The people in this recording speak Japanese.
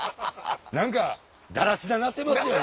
何かだらしななってますよ。